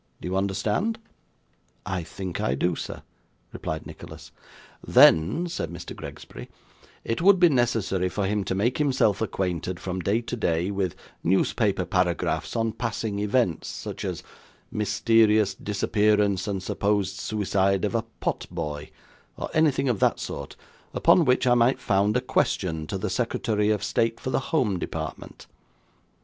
Do you understand?' 'I think I do, sir,' replied Nicholas. 'Then,' said Mr. Gregsbury, 'it would be necessary for him to make himself acquainted, from day to day, with newspaper paragraphs on passing events; such as "Mysterious disappearance, and supposed suicide of a potboy," or anything of that sort, upon which I might found a question to the Secretary of State for the Home Department.